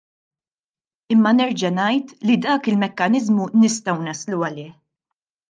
Imma nerġa' ngħid li dak il-mekkaniżmu nistgħu naslu għalih.